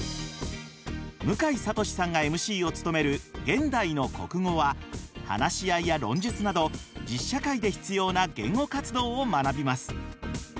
向井慧さんがＭＣを務める「現代の国語」は話し合いや論述など実社会で必要な言語活動を学びます。